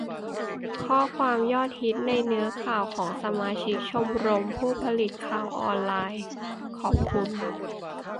ข้อความยอดฮิตในเนื้อข่าวของสมาชิกชมรมผู้ผลิตข่าวออนไลน์ :'ขอบคุณ